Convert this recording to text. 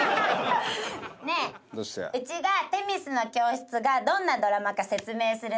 ねえうちが『女神の教室』がどんなドラマか説明するね。